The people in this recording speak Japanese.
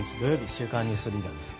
「週刊ニュースリーダー」です。